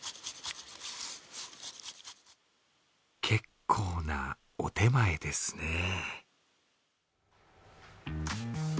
結構なお点前ですね。